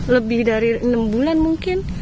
lebih dari enam bulan mungkin